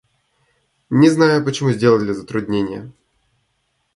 Не знаю, почему сделали затруднение.